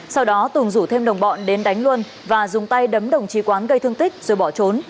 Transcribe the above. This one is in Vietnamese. sau đó tùng rủ thêm đồng bọn đến đánh luân và dùng tay đấm đồng chí quán gây thương tích rồi bỏ trốn